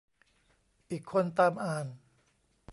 อีกคนตามอ่าน